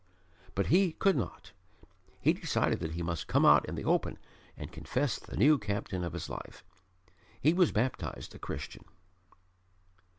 But he could not. He decided that he must come out in the open and confess the new Captain of his life. He was baptized a Christian.